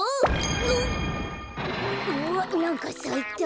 おっうわっなんかさいた。